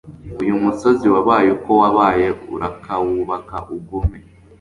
Uyu musozi wabaye uko wabaye Urakawubaka ugume.